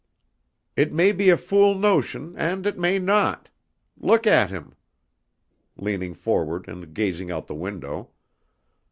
It may be a fool notion and it may not.... Look at him," leaning forward and gazing out the window.